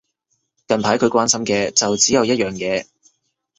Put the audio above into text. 近排佢關心嘅就只有一樣嘢